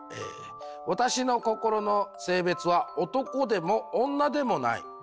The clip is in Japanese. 「私の心の性別は男でも女でもない。